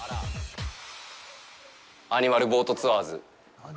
アニマルボートツアーズ？